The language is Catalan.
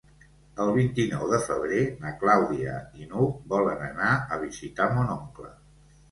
El vint-i-nou de febrer na Clàudia i n'Hug volen anar a visitar mon oncle.